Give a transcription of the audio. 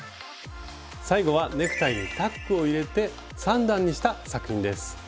最後はネクタイにタックを入れて３段にした作品です。